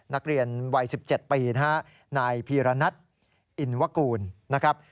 นักเรียนวัย๑๗ปีนะฮะนายพีรณัทอินวกูลนะครับ